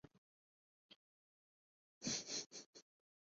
Dargwa